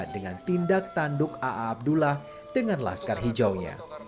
dengan tindak tanduk aa abdullah dengan laskar hijau nya